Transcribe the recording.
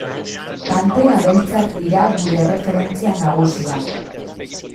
Pantera Beltzak dira gure erreferentzia nagusia.